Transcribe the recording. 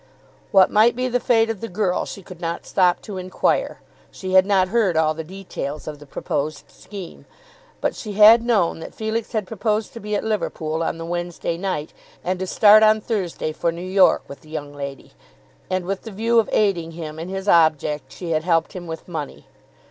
What might be the fate of the girl she could not stop to enquire. She had not heard all the details of the proposed scheme; but she had known that Felix had proposed to be at Liverpool on the Wednesday night, and to start on Thursday for New York with the young lady; and with the view of aiding him in his object she had helped him with money.